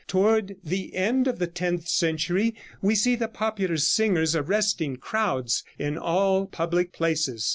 Toward the end of the tenth century we see the popular singers arresting crowds in all public places.